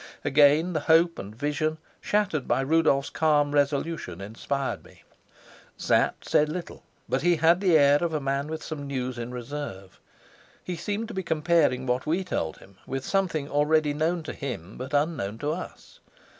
Again the hope and vision, shattered by Rudolf's calm resolution, inspired me. Sapt said little, but he had the air of a man with some news in reserve. He seemed to be comparing what we told him with something already known to him but unknown to us.